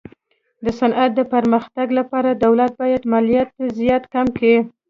د صنعت د پرمختګ لپاره دولت باید مالیات زیات کم کي.